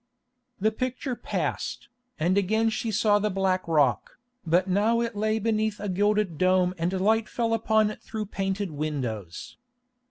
The picture passed, and again she saw the black rock, but now it lay beneath a gilded dome and light fell upon it through painted windows.